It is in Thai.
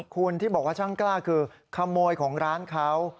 คุณที่บอกว่าช่างกล้าคือขโมยของร้านเขา